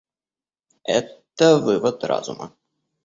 Это вывод разума.